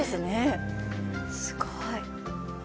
すごい。